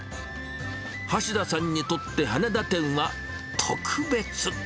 橋田さんにとって羽田店は、特別。